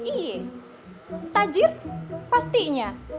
iya tajir pastinya